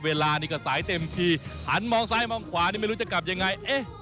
เวลานี่ก็สายเต็มทีหันมองซ้ายมองขวานี่ไม่รู้จะกลับยังไง